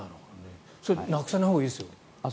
それ、なくさないほうがいいですよ。